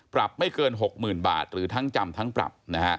ปรับไม่เกิน๖๐๐๐บาทหรือทั้งจำทั้งปรับ